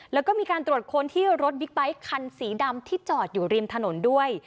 แล้วก็มีการตรวจค้นที่รถบิ๊กไบท์คันสีดำที่จอดอยู่ริมถนนด้วย